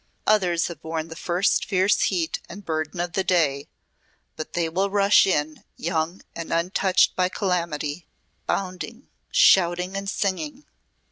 Others have borne the first fierce heat and burden of the day, but they will rush in young and untouched by calamity bounding, shouting and singing.